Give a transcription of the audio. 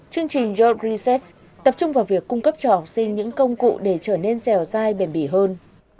chương trình yod reset tập trung vào việc cung cấp cho học sinh những công cụ để trở nên dẻo dai bền bỉ hơn